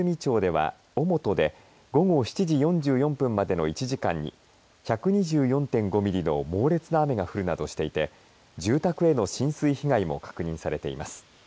岩泉町では小本で午後７時４４分までの１時間に１２４．５ミリの猛烈な雨が降るなどしていて住宅への浸水被害も確認されています。